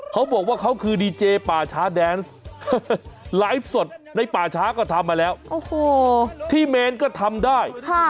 เขาบอกว่าเขาคือดีเจป่าช้าแดนซ์ไลฟ์สดในป่าช้าก็ทำมาแล้วที่เมนก็ทำได้